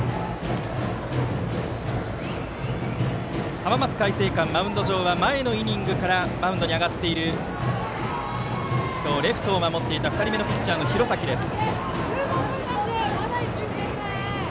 浜松開誠館、マウンド上は前のイニングからマウンドに上がっている今日レフトを守っていた２人目のピッチャー、廣崎です。